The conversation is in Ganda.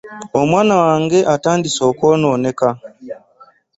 Omwana wange atandise okwonooneka.